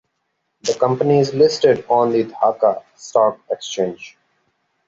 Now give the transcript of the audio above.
The company is listed on the Dhaka Stock Exchange.